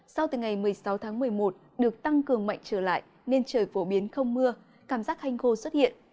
sau từ ngày một mươi sáu tháng một mươi một được tăng cường mạnh trở lại nên trời phổ biến không mưa cảm giác hanh khô xuất hiện